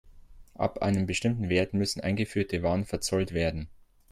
Ab einem bestimmten Wert müssen eingeführte Waren verzollt werden.